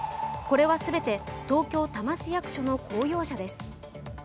これは全て東京・多摩市役所の公用車です。